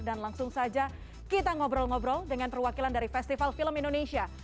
dan langsung saja kita ngobrol ngobrol dengan perwakilan dari festival film indonesia